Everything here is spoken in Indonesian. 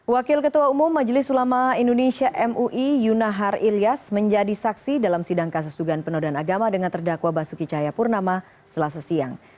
wakil ketua umum majelis ulama indonesia mui yunahar ilyas menjadi saksi dalam sidang kasus dugaan penodaan agama dengan terdakwa basuki cahayapurnama selasa siang